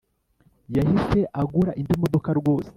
Yahise agura indi modoka rwose